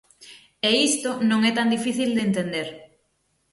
E isto non é tan difícil de entender.